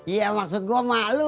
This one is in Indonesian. iya maksud gua emak lu